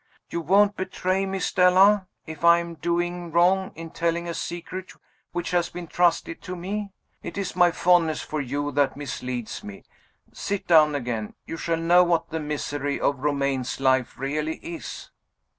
You won't betray me, Stella? If I am doing wrong in telling a secret which has been trusted to me, it is my fondness for you that misleads me. Sit down again. You shall know what the misery of Romayne's life really is."